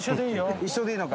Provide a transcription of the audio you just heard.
一緒でいいのか。